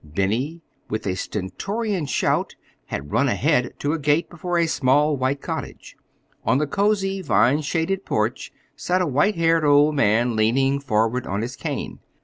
Benny, with a stentorian shout, had run ahead to a gate before a small white cottage. On the cozy, vine shaded porch sat a white haired old man leaning forward on his cane.